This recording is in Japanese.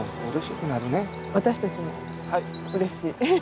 私たちもうれしい。